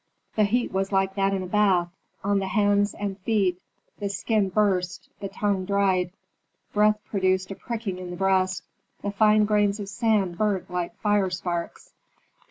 The heat was like that in a bath: on the hands and feet the skin burst, the tongue dried, breath produced a pricking in the breast. The fine grains of sand burnt like fire sparks.